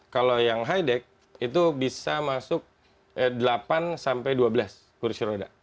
kalau yang high deck itu bisa masuk delapan sampai dua belas kursi roda